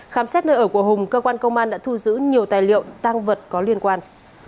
khám xét nơi ở của hùng cơ quan công an đã thu giữ nhiều tài liệu tăng vật có liên quan